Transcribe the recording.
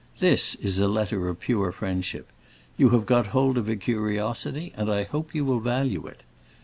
This is a letter of pure friendship; you have got hold of a curiosity, and I hope you will value it.